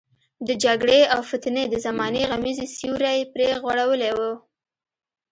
د جګړې او فتنې د زمانې غمیزې سیوری پرې غوړولی وو.